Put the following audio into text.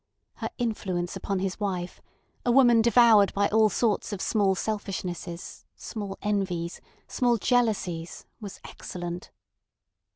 Her influence upon his wife, a woman devoured by all sorts of small selfishnesses, small envies, small jealousies, was excellent.